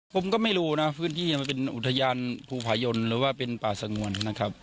ผมก็ไม่รู้นะพื้นที่มันเป็นอุทยานภูผายนหรือว่าเป็นป่าสงวนนะครับ